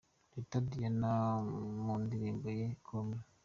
Teta Diana mu ndirimbo ye Call Me.